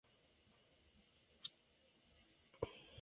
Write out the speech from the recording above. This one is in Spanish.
Posteriormente se añadieron otras localidades.